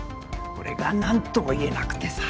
それがなんとも言えなくてさ。